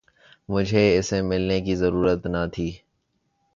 مجھے اسے ملنے کی ضرورت نہ تھی